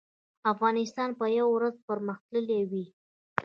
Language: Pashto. افغانستان به یو ورځ پرمختللی وي